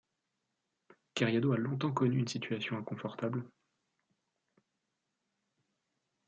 Keryado a longtemps connu une situation inconfortable.